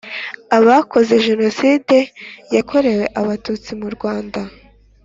abakoze Jenoside yakorewe abatutsi mu Rwanda